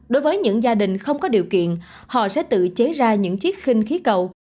đối với những gia đình không có điều kiện họ sẽ tự chế ra những chiếc khinh khí cầu